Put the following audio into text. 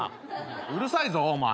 うるさいぞお前！